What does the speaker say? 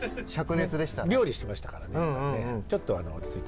料理してましたからねちょっと落ち着いた。